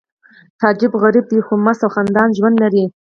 تعجب غریب دی خو مست او خندان ژوند لري